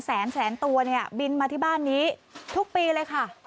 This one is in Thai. แสนแสนตัวเนี่ยบินมาที่บ้านนี้ทุกปีเลยค่ะ